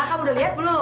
kamu udah lihat belum